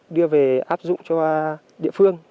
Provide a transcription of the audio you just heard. đưa về áp dụng cho địa phương